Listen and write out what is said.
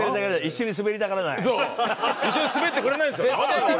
一緒にスベってくれないんですよ。